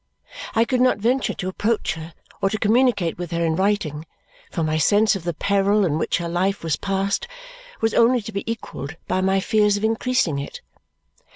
I could not venture to approach her or to communicate with her in writing, for my sense of the peril in which her life was passed was only to be equalled by my fears of increasing it.